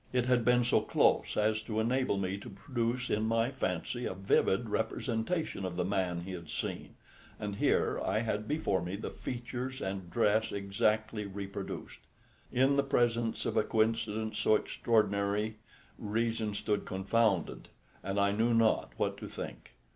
It had been so close as to enable me to produce in my fancy a vivid representation of the man he had seen; and here I had before me the features and dress exactly reproduced. In the presence of a coincidence so extraordinary reason stood confounded, and I knew not what to think.